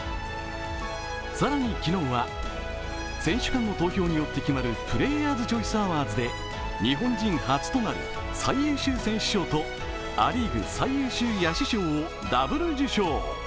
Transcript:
更に、昨日は選手間の投票によって決まるプレイヤーズ・チョイス・アワーズで日本人初となる最優秀選手賞とア・リーグ最優秀野手賞をダブル受賞。